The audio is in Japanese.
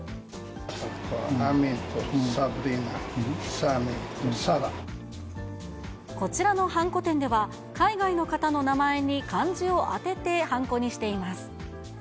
アミンと、サブリナ、こちらのはんこ店では、海外の方の名前に漢字を当ててはんこにしています。